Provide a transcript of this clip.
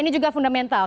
ini juga fundamental